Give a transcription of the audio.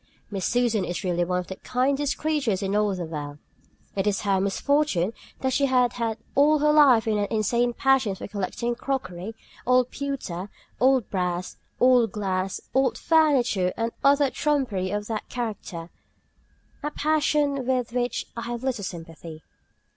Miss Susan is really one of the kindest creatures in all the world. It is her misfortune that she has had all her life an insane passion for collecting crockery, old pewter, old brass, old glass, old furniture and other trumpery of that character; a passion with which I have little sympathy.